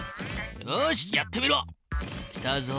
よしやってみろ！来たぞ。